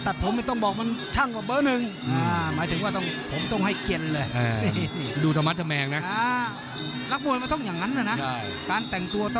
แรกสายยังไม่โตยังไม่โต